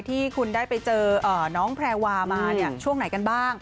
ที่คุณได้ไปเจอน้องแพรวามาช่วงไหนกันบ้าง